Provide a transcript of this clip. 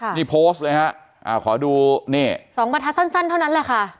นี่โพสต์เลยฮะอ่าขอดูนี่สองประทัดสั้นสั้นเท่านั้นแหละค่ะ